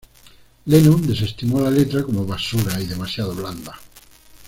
Lennon desestimó la letra como "basura" y "demasiado blanda".